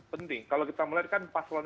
penting kalau kita melihat kan paslon